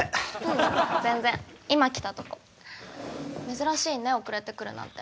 珍しいね遅れてくるなんて。